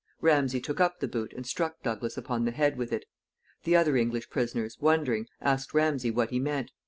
Ramsay took up the boot and struck Douglas upon the head with it. The other English prisoners, wondering, asked Ramsay what he meant.